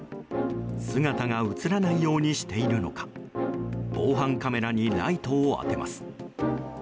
姿が映らないようにしているのか防犯カメラにライトを当てます。